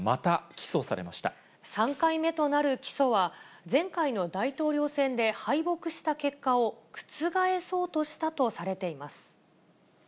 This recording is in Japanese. ３回目となる起訴は、前回の大統領選で敗北した結果を覆そうとしたとされています。